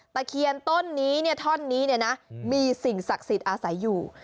ตะเคียนต้นนี้ท่อนนี้มีสิ่งศักดิ์สิทธิ์อาศัยอยู่